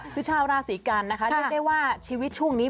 คือชาวราศีกันนะคะเรียกได้ว่าชีวิตช่วงนี้